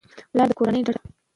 پلار د کورنۍ ډډه ده.